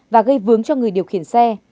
và gây vướng cho người điều khiển xe